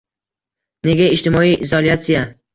Nega ijtimoiy izolyatsiya?